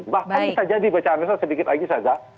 bahkan bisa jadi bacaan saya sedikit lagi saza